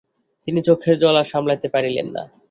তিনি চোখের জল আর সমালাইতে পারিলেন না।